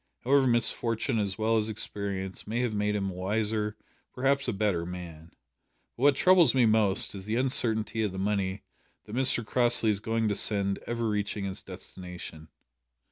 However, misfortune as well as experience may have made him a wiser, perhaps a better, man. But what troubles me most is the uncertainty of the money that Mr Crossley is going to send ever reaching its destination."